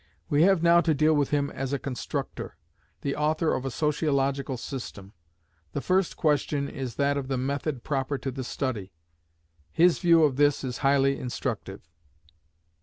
We have now to deal with him as a constructor the author of a sociological system. The first question is that of the Method proper to the study. His view of this is highly instructive.